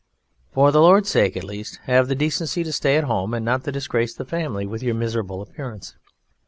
For the Lord's sake, at least have the decency to stay at home and not to disgrace the family with your miserable appearance!"